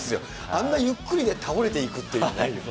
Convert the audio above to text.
あんなゆっくりで倒れていくっていうね。